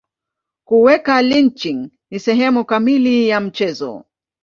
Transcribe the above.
Kuweka lynching ni sehemu kamili ya mchezo.